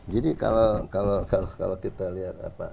jadi kalau kita lihat apa